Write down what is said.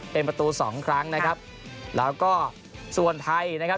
เป็นประตูสองครั้งนะครับแล้วก็ส่วนไทยนะครับ